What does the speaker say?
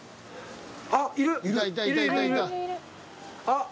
あっ！